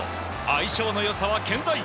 相性の良さは健在！